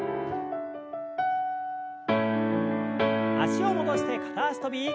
脚を戻して片脚跳び。